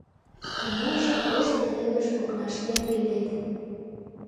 Ныжыл ош пеледыш окнаштем пеледын.